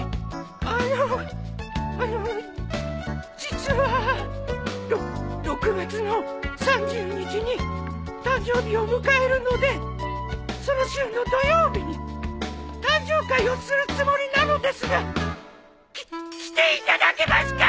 あのあの実はろっ６月の３０日に誕生日を迎えるのでその週の土曜日に誕生会をするつもりなのですがきっ来ていただけますか！？